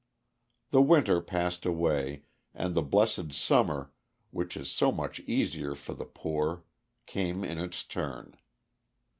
The winter passed away, and the blessed summer, which is so much easier for the poor, came in its turn.